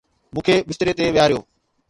مون کي بستري تي ويهاريو